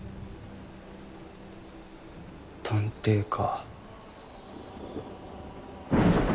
探偵か。